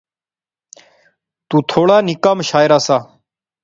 تو تھوڑا نکا مشاعرہ سا